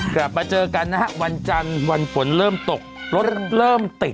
กลับมาเจอกันนะฮะวันจันทร์วันฝนเริ่มตกรถเริ่มติด